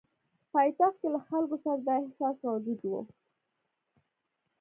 پایتخت کې له خلکو سره دا احساس موجود وو.